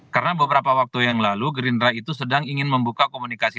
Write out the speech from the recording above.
karena beberapa waktu yang lalu gerindra itu sedang ingin membuka komunikasi